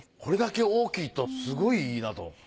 これだけ大きいとすごいいいなと。